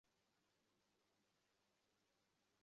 মানুষ দরিদ্র বা অন্ধ হইয়া বা অন্য কোন দূরবস্থায় জন্মগ্রহণ করে।